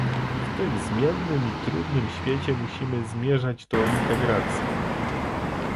W tym zmiennym i trudnym świecie musimy zmierzać do integracji